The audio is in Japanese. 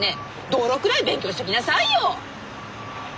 道路くらい勉強しときなさいよ。